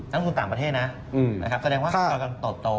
ตั้งคุณต่างประเทศนะแสดงว่ากำลังตกโต